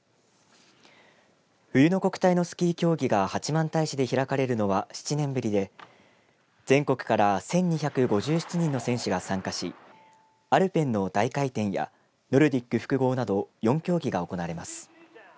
冬の国体のスキー競技が八幡平市で開かれるのは７年ぶりで全国から１２５７人の選手が参加しアルペンの大回転やノルディック複合など４競技が行われます。